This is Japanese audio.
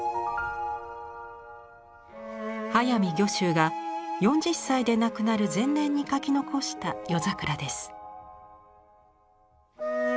速水御舟が４０歳で亡くなる前年に描き残した夜桜です。